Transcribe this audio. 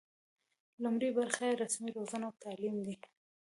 لومړۍ برخه یې رسمي روزنه او تعلیم دی.